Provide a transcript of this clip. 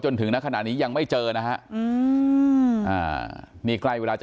จนถึงณขณะนี้ยังไม่เจอนะฮะอืมอ่านี่ใกล้เวลาจะ